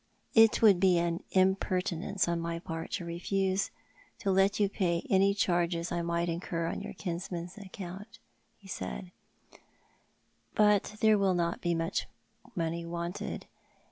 " It would be an impertinence on my part to refuse to let you pay any charges I may incur on your kinsman's account," he said ;" but there will not be much money wanted.